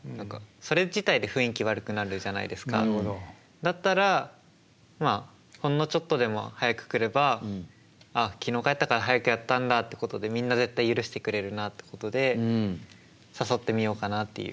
だったらまあほんのちょっとでも早く来れば「あ昨日帰ったから早くやったんだ」ってことでみんな絶対許してくれるなってことで誘ってみようかなっていう。